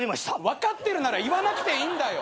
分かってるなら言わなくていいんだよ。